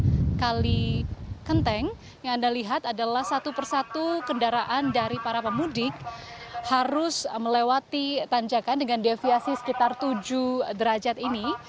di kali kenteng yang anda lihat adalah satu persatu kendaraan dari para pemudik harus melewati tanjakan dengan deviasi sekitar tujuh derajat ini